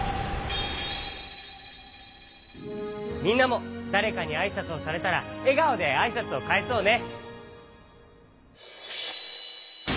みんなもだれかにあいさつをされたらえがおであいさつをかえそうね。